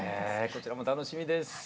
こちらも楽しみです。